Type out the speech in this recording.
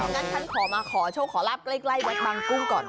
งั้นท่านขอมาขอโชว์ขอรับใกล้ไว้บังกุ้งก่อน